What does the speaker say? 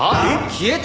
消えた！？